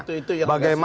oke itu yang beresiko ya